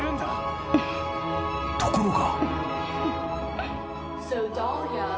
［ところが］